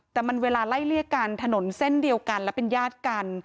แต่มันเวลาไล่เลี่ยกันถนนเส้นเดียวกันและเป็นญาติกัน